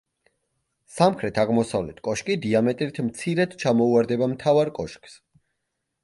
სამხრეთ-აღმოსავლეთ კოშკი, დიამეტრით, მცირედ ჩამოუვარდება მთავარ კოშკს.